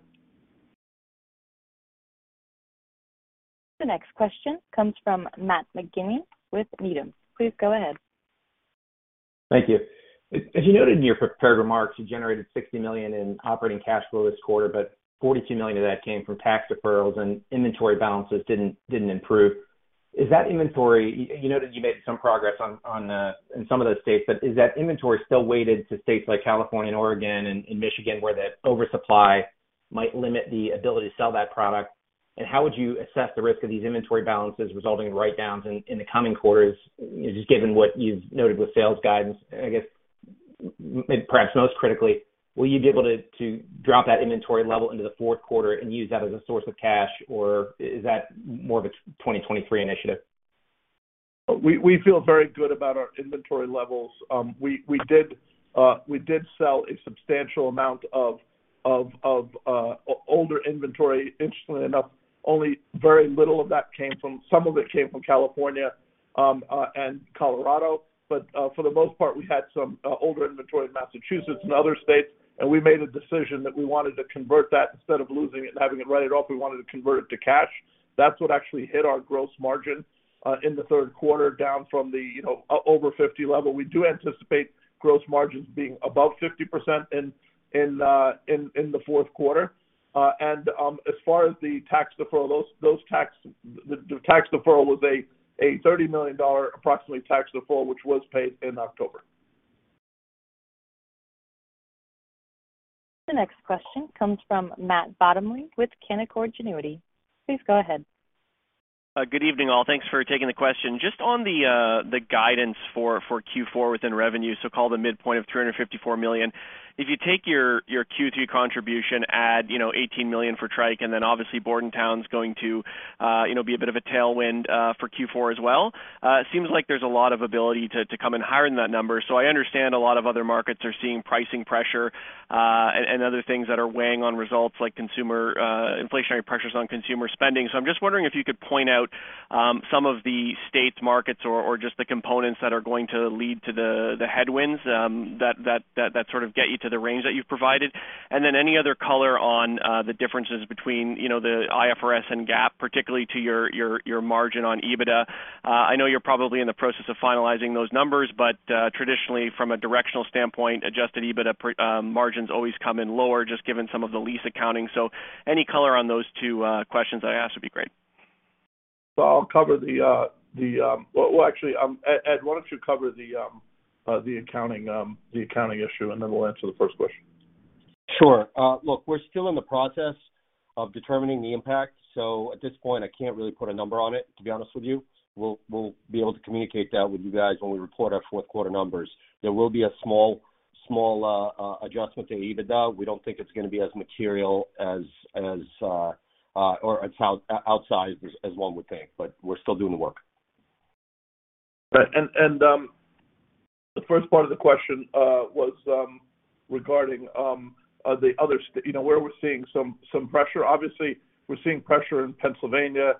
The next question comes from Matt McGinley with Needham. Please go ahead. Thank you. As you noted in your prepared remarks, you generated $60 million in operating cash flow this quarter, $42 million of that came from tax deferrals and inventory balances didn't improve. You noted you made some progress in some of those states, is that inventory still weighted to states like California and Oregon and Michigan, where the oversupply might limit the ability to sell that product? How would you assess the risk of these inventory balances resulting in write-downs in the coming quarters, just given what you've noted with sales guidance? I guess perhaps most critically, will you be able to drop that inventory level into the fourth quarter and use that as a source of cash, or is that more of a 2023 initiative? We feel very good about our inventory levels. We did sell a substantial amount of older inventory. Interestingly enough, some of it came from California and Colorado. For the most part, we had some older inventory in Massachusetts and other states, and we made a decision that we wanted to convert that instead of losing it and having to write it off, we wanted to convert it to cash. That's what actually hit our gross margin in the third quarter down from the over 50% level. We do anticipate gross margins being above 50% in the fourth quarter. As far as the tax deferral, the tax deferral was a $30 million approximately tax deferral, which was paid in October. The next question comes from Matt Bottomley with Canaccord Genuity. Please go ahead. Good evening, all. Thanks for taking the question. Just on the guidance for Q4 within revenue, call the midpoint of $354 million. If you take your Q3 contribution, add $18 million for Tryke, then obviously Bordentown's going to be a bit of a tailwind for Q4 as well. Seems like there's a lot of ability to come in higher than that number. I understand a lot of other markets are seeing pricing pressure and other things that are weighing on results like inflationary pressures on consumer spending. I'm just wondering if you could point out some of the states markets or just the components that are going to lead to the headwinds that sort of get you to the range that you've provided. And then any other color on the differences between the IFRS and GAAP, particularly to your margin on EBITDA. I know you're probably in the process of finalizing those numbers, but traditionally from a directional standpoint, adjusted EBITDA margins always come in lower just given some of the lease accounting. Any color on those two questions I asked would be great. I'll cover the Well, actually, Ed, why don't you cover the accounting issue, and then we'll answer the first question. Sure. Look, we're still in the process of determining the impact, so at this point, I can't really put a number on it, to be honest with you. We'll be able to communicate that with you guys when we report our fourth quarter numbers. There will be a small adjustment to EBITDA. We don't think it's going to be as material as, or as outsized as one would think. We're still doing the work. Right. The first part of the question was regarding where we're seeing some pressure. Obviously, we're seeing pressure in Pennsylvania.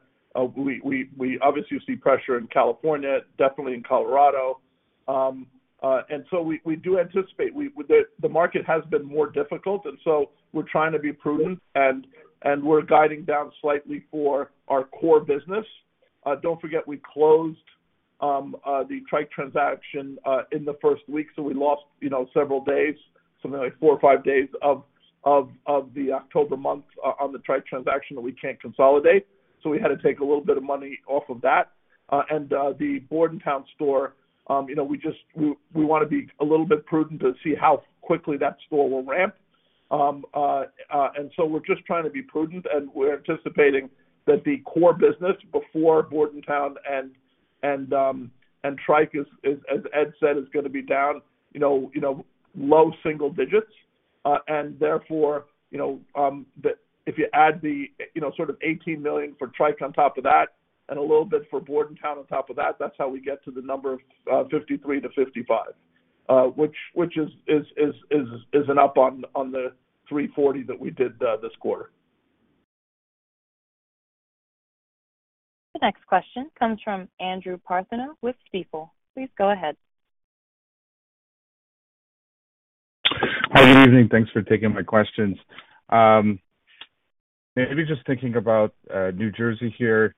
We obviously see pressure in California, definitely in Colorado. We do anticipate the market has been more difficult, and so we're trying to be prudent, and we're guiding down slightly for our core business. Don't forget, we closed the Tryke transaction in the first week, so we lost several days, something like four or five days of the October month on the Tryke transaction that we can't consolidate. We had to take a little bit of money off of that. The Bordentown store, we want to be a little bit prudent to see how quickly that store will ramp. We're just trying to be prudent, and we're anticipating that the core business before Bordentown and Tryke, as Ed said, is going to be down low single digits. Therefore, if you add the $18 million for Tryke on top of that and a little bit for Bordentown on top of that's how we get to the number of $53 million-$55 million, which is an up on the $340 million that we did this quarter. The next question comes from Andrew Partheniou with Stifel. Please go ahead. Hi, good evening. Thanks for taking my questions. Maybe just thinking about New Jersey here.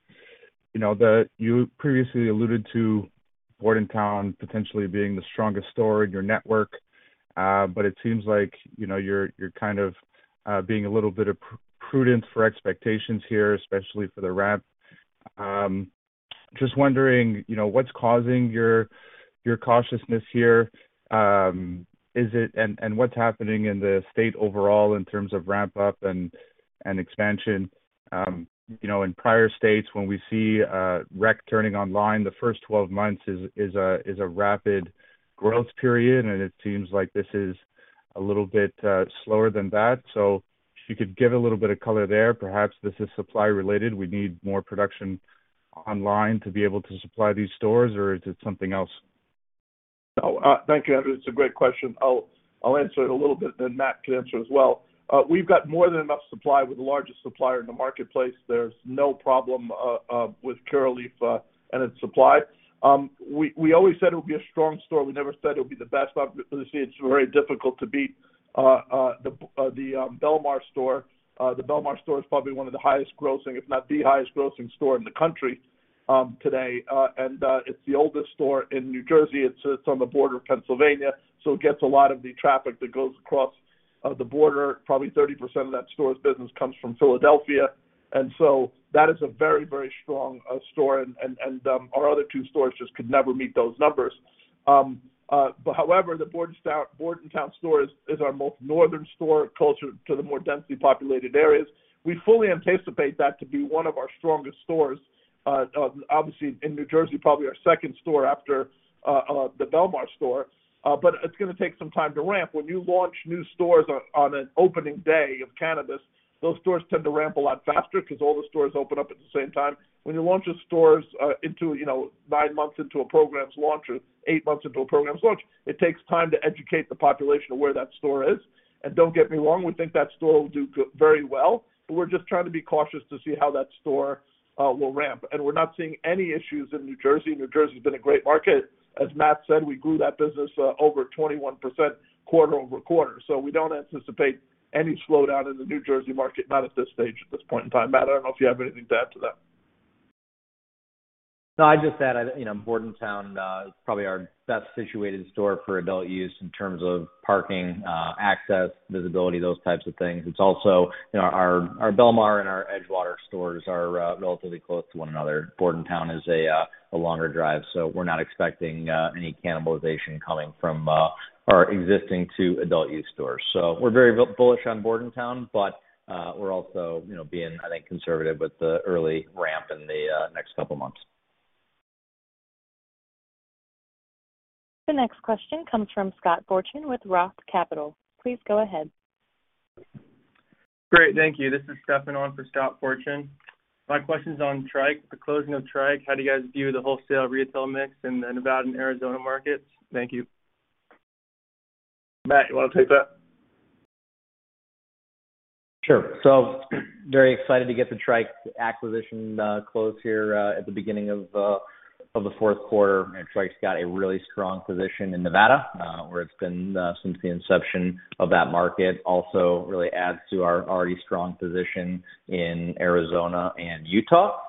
You previously alluded to Bordentown potentially being the strongest store in your network. It seems like you're being a little bit prudent for expectations here, especially for the ramp. Just wondering, what's causing your cautiousness here? What's happening in the state overall in terms of ramp-up and expansion? In prior states, when we see rec turning online, the first 12 months is a rapid growth period, and it seems like this is a little bit slower than that. If you could give a little bit of color there. Perhaps this is supply related. We need more production online to be able to supply these stores, or is it something else? No. Thank you, Andrew. It's a great question. I'll answer it a little bit, then Matt can answer as well. We've got more than enough supply. We're the largest supplier in the marketplace. There's no problem with Curaleaf and its supply. We always said it would be a strong store. We never said it would be the best. Obviously, it's very difficult to beat the Belmar store. The Belmar store is probably one of the highest grossing, if not the highest grossing store in the country today. It's the oldest store in New Jersey. It sits on the border of Pennsylvania, so it gets a lot of the traffic that goes across the border. Probably 30% of that store's business comes from Philadelphia. That is a very, very strong store, and our other two stores just could never meet those numbers. However, the Bordentown store is our most northern store, closer to the more densely populated areas. We fully anticipate that to be one of our strongest stores, obviously in New Jersey, probably our second store after the Belmar store. It's going to take some time to ramp. When you launch new stores on an opening day of cannabis, those stores tend to ramp a lot faster because all the stores open up at the same time. When you launch your stores nine months into a program's launch or eight months into a program's launch, it takes time to educate the population of where that store is. Don't get me wrong, we think that store will do very well. We're just trying to be cautious to see how that store will ramp. We're not seeing any issues in New Jersey. New Jersey has been a great market. As Matt said, we grew that business over 21% quarter-over-quarter. We don't anticipate any slowdown in the New Jersey market, not at this stage, at this point in time. Matt, I don't know if you have anything to add to that. I'd just add, Bordentown is probably our best situated store for adult use in terms of parking, access, visibility, those types of things. Our Belmar and our Edgewater stores are relatively close to one another. We're not expecting any cannibalization coming from our existing two adult use stores. We're very bullish on Bordentown, but we're also being, I think, conservative with the early ramp in the next couple of months. The next question comes from Scott Fortune with Roth Capital. Please go ahead. Great. Thank you. This is Stefan on for Scott Fortune. My question's on Tryke, the closing of Tryke. How do you guys view the wholesale/retail mix in the Nevada and Arizona markets? Thank you. Matt, you want to take that? Sure. Very excited to get the Tryke acquisition closed here at the beginning of the fourth quarter. Tryke's got a really strong position in Nevada, where it's been since the inception of that market. Also really adds to our already strong position in Arizona and Utah.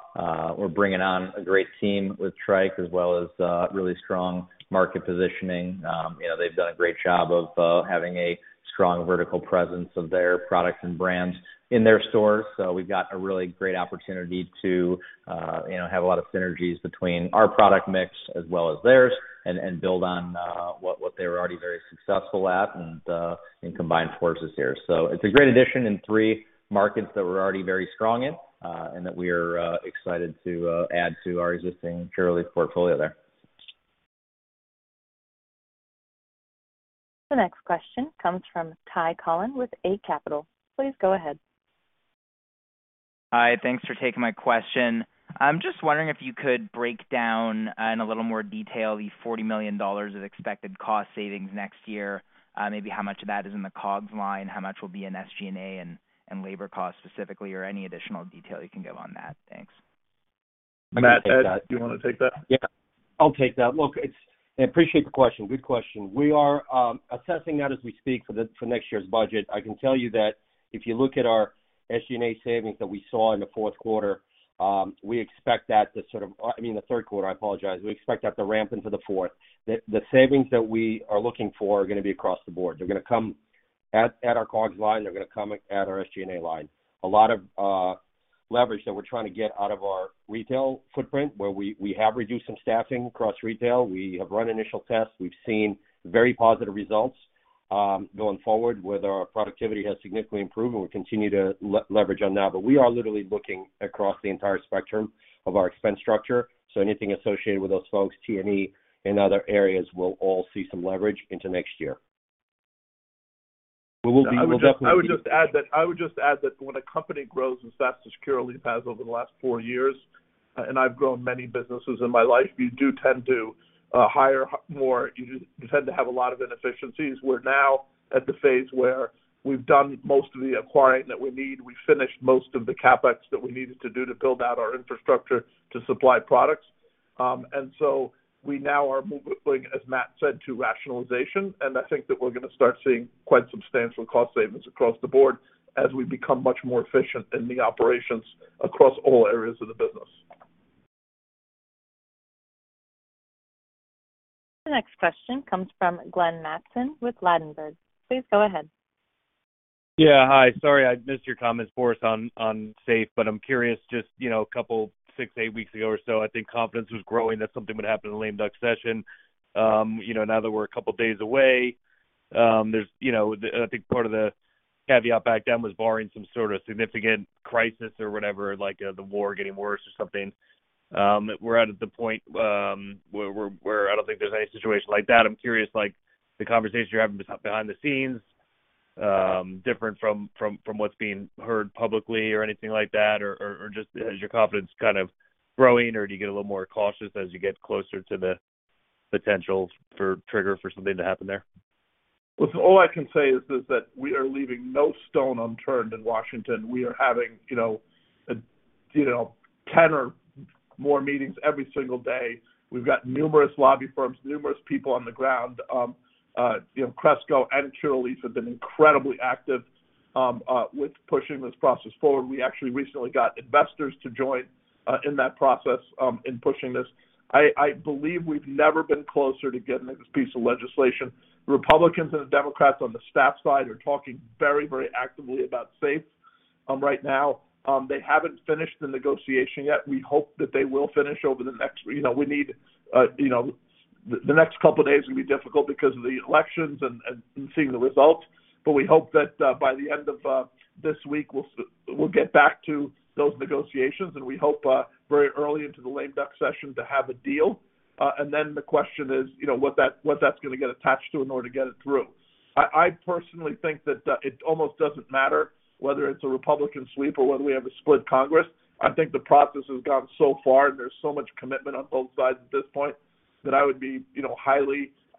We're bringing on a great team with Tryke, as well as really strong market positioning. They've done a great job of having a strong vertical presence of their products and brands in their stores. We've got a really great opportunity to have a lot of synergies between our product mix as well as theirs and build on what they were already very successful at and combine forces here. It's a great addition in three markets that we're already very strong in, and that we're excited to add to our existing Curaleaf portfolio there. The next question comes from Ty Collin with Eight Capital. Please go ahead. Hi. Thanks for taking my question. I'm just wondering if you could break down in a little more detail the $40 million of expected cost savings next year, maybe how much of that is in the COGS line, how much will be in SG&A and labor costs specifically or any additional detail you can give on that. Thanks. Matt, do you want to take that? Yeah, I'll take that. Look, I appreciate the question. Good question. We are assessing that as we speak for next year's budget. I can tell you that if you look at our SG&A savings that we saw in the fourth quarter, we expect that to sort of I mean, the third quarter, I apologize. We expect that to ramp into the fourth. The savings that we are looking for are going to be across the board. They're going to come at our COGS line. They're going to come at our SG&A line. A lot of leverage that we're trying to get out of our retail footprint, where we have reduced some staffing across retail. We have run initial tests. We've seen very positive results, going forward with our productivity has significantly improved. We continue to leverage on that. We are literally looking across the entire spectrum of our expense structure. Anything associated with those folks, T&E and other areas will all see some leverage into next year. I would just add that when a company grows as fast as Curaleaf has over the last four years, I've grown many businesses in my life, you do tend to hire more. You tend to have a lot of inefficiencies. We're now at the phase where we've done most of the acquiring that we need. We finished most of the CapEx that we needed to do to build out our infrastructure to supply products. We now are moving, as Matt said, to rationalization. I think that we're going to start seeing quite substantial cost savings across the board as we become much more efficient in the operations across all areas of the business. The next question comes from Glenn Mattson with Ladenburg. Please go ahead. Yeah. Hi. Sorry I missed your comments, Boris, on SAFE. I'm curious, just a couple, 6, 8 weeks ago or so, I think confidence was growing that something would happen in the lame duck session. Now that we're a couple of days away, I think part of the caveat back then was barring some sort of significant crisis or whatever, like the war getting worse or something. We're out at the point, where I don't think there's any situation like that. I'm curious, the conversations you're having behind the scenes, different from what's being heard publicly or anything like that? Just as your confidence kind of growing, or do you get a little more cautious as you get closer to the potential for trigger for something to happen there? Look, all I can say is that we are leaving no stone unturned in Washington. We are having 10 or more meetings every single day. We've got numerous lobby firms, numerous people on the ground. Cresco and Curaleaf have been incredibly active with pushing this process forward. We actually recently got investors to join in that process in pushing this. I believe we've never been closer to getting this piece of legislation. Republicans and Democrats on the staff side are talking very actively about SAFE right now. They haven't finished the negotiation yet. We hope that they will finish. The next couple of days will be difficult because of the elections and seeing the results. We hope that by the end of this week, we'll get back to those negotiations, and we hope very early into the lame duck session to have a deal. The question is, what that's going to get attached to in order to get it through. I personally think that it almost doesn't matter whether it's a Republican sweep or whether we have a split Congress. I think the process has gone so far and there's so much commitment on both sides at this point that I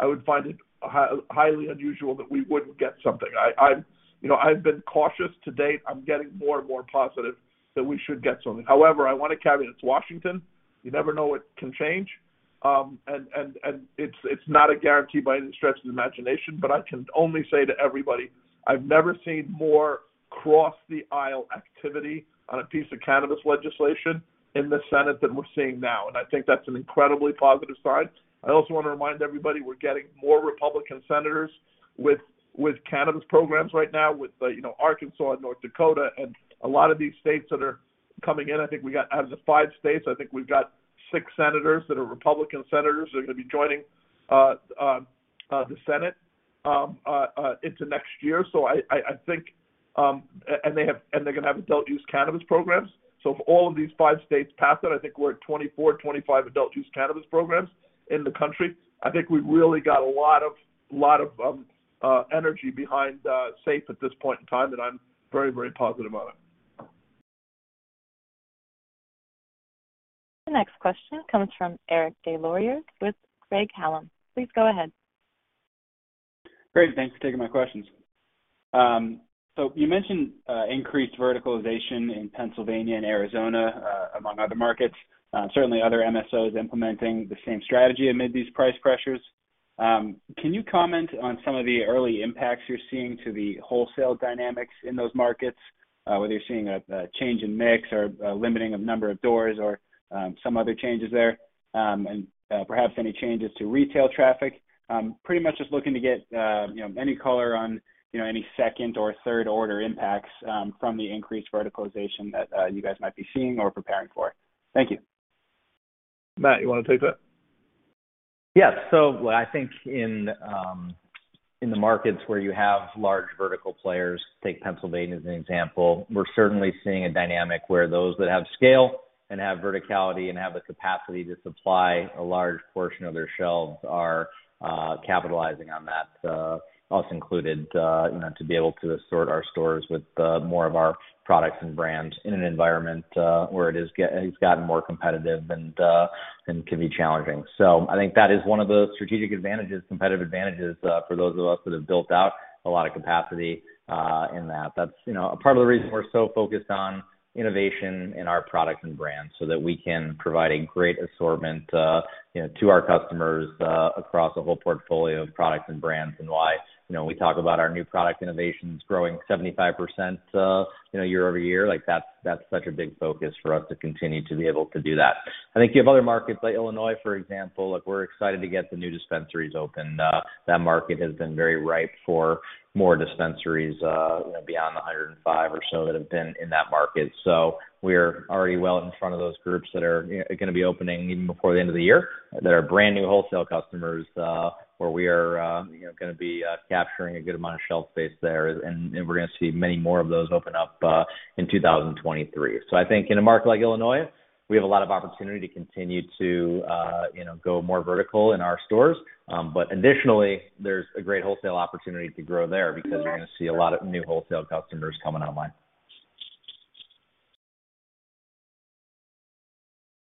would find it highly unusual that we wouldn't get something. I've been cautious to date. I'm getting more and more positive that we should get something. However, I want to caveat, it's Washington. You never know what can change. It's not a guarantee by any stretch of the imagination, I can only say to everybody, I've never seen more cross-the-aisle activity on a piece of cannabis legislation in the Senate than we're seeing now, and I think that's an incredibly positive sign. I also want to remind everybody, we're getting more Republican senators with cannabis programs right now with Arkansas and North Dakota and a lot of these states that are coming in. I think we got out of the five states, I think we've got six senators that are Republican senators that are going to be joining the Senate into next year. They're going to have adult-use cannabis programs. If all of these five states pass it, I think we're at 24, 25 adult-use cannabis programs in the country. I think we've really got a lot of energy behind SAFE at this point in time, I'm very positive about it. The next question comes from Eric Des Lauriers with Craig-Hallum. Please go ahead. Great. Thanks for taking my questions. You mentioned increased verticalization in Pennsylvania and Arizona, among other markets. Certainly other MSOs implementing the same strategy amid these price pressures. Can you comment on some of the early impacts you're seeing to the wholesale dynamics in those markets, whether you're seeing a change in mix or limiting of number of doors or some other changes there, and perhaps any changes to retail traffic? Pretty much just looking to get any color on any second or third order impacts from the increased verticalization that you guys might be seeing or preparing for. Thank you. Matt, you want to take that? Yes. I think in the markets where you have large vertical players, take Pennsylvania as an example, we're certainly seeing a dynamic where those that have scale and have verticality and have the capacity to supply a large portion of their shelves are capitalizing on that. Us included, to be able to assort our stores with more of our products and brands in an environment where it has gotten more competitive and can be challenging. I think that is one of the strategic advantages, competitive advantages, for those of us that have built out a lot of capacity in that. That's a part of the reason we're so focused on innovation in our products and brands, so that we can provide a great assortment to our customers across a whole portfolio of products and brands, why we talk about our new product innovations growing 75% year-over-year. That's such a big focus for us to continue to be able to do that. I think you have other markets like Illinois, for example. Look, we're excited to get the new dispensaries opened. That market has been very ripe for more dispensaries beyond the 105 or so that have been in that market. We're already well in front of those groups that are going to be opening even before the end of the year, that are brand-new wholesale customers, where we are going to be capturing a good amount of shelf space there. We're going to see many more of those open up in 2023. I think in a market like Illinois, we have a lot of opportunity to continue to go more vertical in our stores. Additionally, there's a great wholesale opportunity to grow there because we're going to see a lot of new wholesale customers coming online.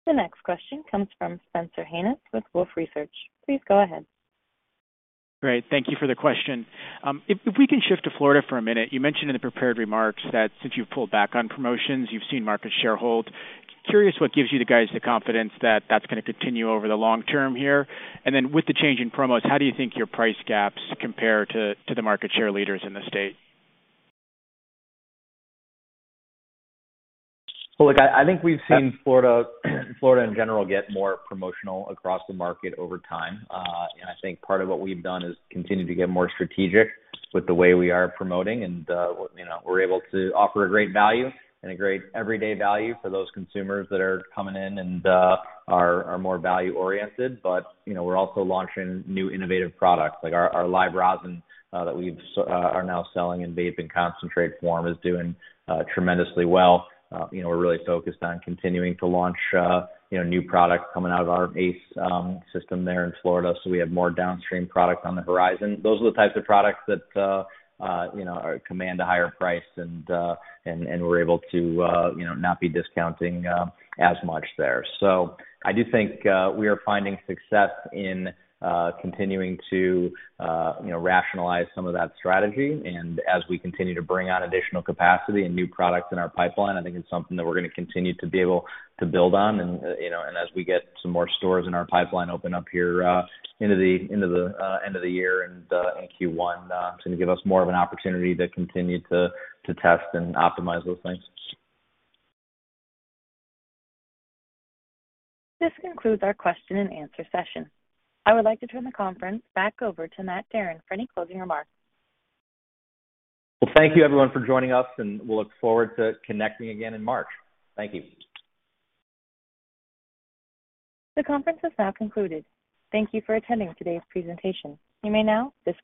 The next question comes from Spencer Hanus with Wolfe Research. Please go ahead. Great. Thank you for the question. If we can shift to Florida for a minute, you mentioned in the prepared remarks that since you've pulled back on promotions, you've seen market share hold. Curious what gives you guys the confidence that that's going to continue over the long term here. Then with the change in promos, how do you think your price gaps compare to the market share leaders in the state? Look, I think we've seen Florida in general get more promotional across the market over time. I think part of what we've done is continue to get more strategic with the way we are promoting. We're able to offer a great value and a great everyday value for those consumers that are coming in and are more value-oriented. We're also launching new innovative products, like our live rosin that we are now selling in vape and concentrate form is doing tremendously well. We're really focused on continuing to launch new product coming out of our ACE system there in Florida, so we have more downstream product on the horizon. Those are the types of products that command a higher price, and we're able to not be discounting as much there. I do think we are finding success in continuing to rationalize some of that strategy. As we continue to bring on additional capacity and new products in our pipeline, I think it's something that we're going to continue to be able to build on. As we get some more stores in our pipeline open up here into the end of the year and in Q1, it's going to give us more of an opportunity to continue to test and optimize those things. This concludes our question and answer session. I would like to turn the conference back over to Matt Darin for any closing remarks. Well, thank you everyone for joining us, we'll look forward to connecting again in March. Thank you. The conference has now concluded. Thank you for attending today's presentation. You may now disconnect.